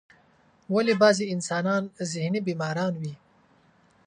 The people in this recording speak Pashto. ولی بازی انسانان ذهنی بیماران وی ؟